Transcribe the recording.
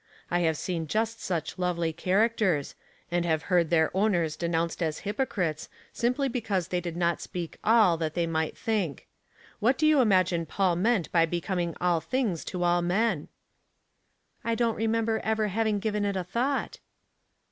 I have seen just such lovely characters, and have heard their owners denounced as hypocrites, simply because they did not speak all that they might think. What do you imagine Paul meant by becoming all things to all men ?"" I don't remember ever having given it a thought."